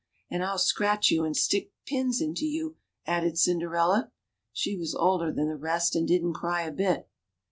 " And I'll scratch you and stick pins into you," added Cinderella. She was older than the rest, and didn't cry a bit.